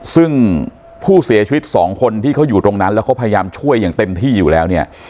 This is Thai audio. ซึ่งผู้เสียชีวิตสองคนที่เขาอยู่ตรงนั้นแล้วเขาพยายามช่วยอย่างเต็มที่อยู่แล้วเนี่ย